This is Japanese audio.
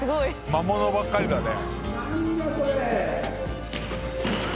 魔物ばっかりだね。